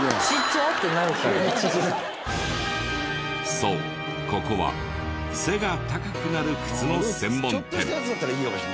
そうここは背が高くなる靴の専門店。